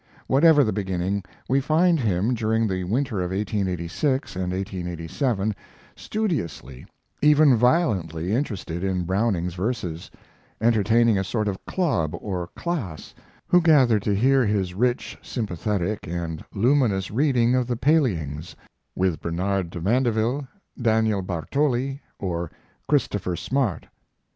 Whatever the beginning, we find him, during the winter of 1886 and 1887, studiously, even violently, interested in Browning's verses, entertaining a sort of club or class who gathered to hear his rich, sympathetic, and luminous reading of the Payleyings "With Bernard de Mandeville," "Daniel Bartoli," or "Christopher Smart."